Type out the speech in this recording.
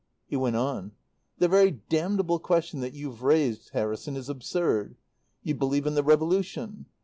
He went on. "The very damnable question that you've raised, Harrison, is absurd. You believe in the revolution.